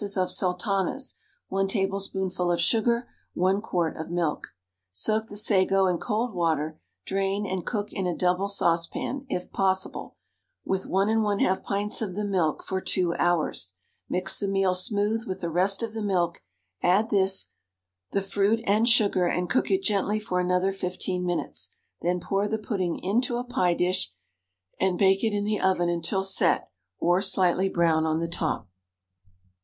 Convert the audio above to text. of sultanas, 1 tablespoonful of sugar, 1 quart of milk. Soak the sago in cold water, drain, and cook in a double saucepan, if possible, with 1 1/2 pints of the milk for 2 hours; mix the meal smooth with the rest of the milk, add this, the fruit and sugar, and cook it gently for another 15 minutes: then pour the pudding into a pie dish, and bake it in the oven until set or slightly brown on the top.